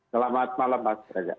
selamat malam pak sudrajat